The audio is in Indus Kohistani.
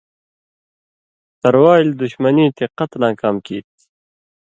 تروالی دُشمنی تے قتلاں کام کیریۡ تھی